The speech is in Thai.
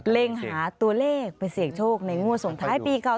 เล็งหาตัวเลขไปเสี่ยงโชคในงวดส่งท้ายปีเก่า